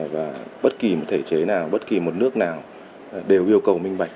và bất kỳ một thể chế nào bất kỳ một nước nào đều yêu cầu minh bạch